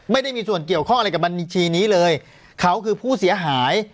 ไม่ได้มีส่วนเกี่ยวข้องอะไรกับบัญชีนี้เลยเขาคือผู้เสียหาย